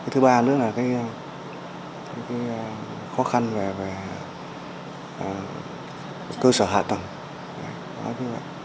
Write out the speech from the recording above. thứ ba nữa là khó khăn về cơ sở hạ tầng